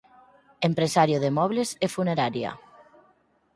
Empresario de mobles e funeraria.